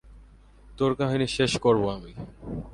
তোর কাহিনী শেষ করবো আমি!